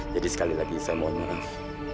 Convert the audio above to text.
jadi sekali lagi saya mohon maaf